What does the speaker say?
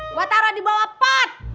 gua taro di bawah pot